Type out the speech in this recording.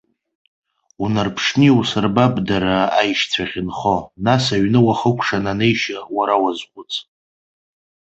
Унарԥшны иусырбап дара аишьцәа ахьынхо, нас аҩны уахыкәшаны анеишьа, уара уазхәыц.